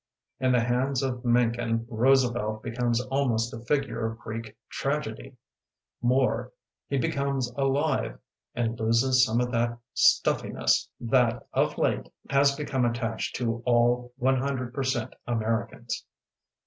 In the hands of Mencken Roosevelt becomes almost a figure of Greek tragedy ; more, he be comes alive and loses some of that stufliness that of late has become at tached to all 100% Americans.